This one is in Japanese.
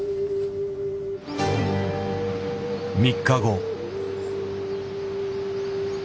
３日後。